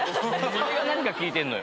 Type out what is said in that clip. それが何か聞いてんのよ。